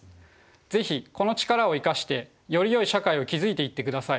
是非この力を生かしてよりよい社会を築いていってください。